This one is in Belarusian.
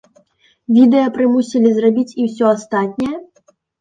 Відэа прымусілі зрабіць і ўсё астатняе?